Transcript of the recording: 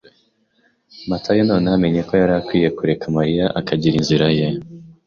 Matayo noneho amenye ko yari akwiye kureka Mariya akagira inzira ye.